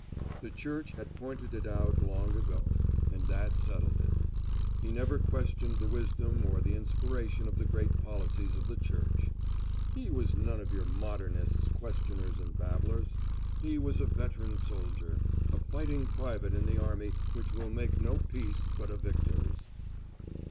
The Church had pointed it out long ago, and that settled it. He never questioned the wisdom or the inspiration of the great policies of the Church. He was none of your modernists, questioners and babblers; he was a veteran soldier, a fighting private in the army which will make no peace but a victor's.